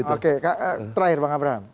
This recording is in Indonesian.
oke terakhir bang abraham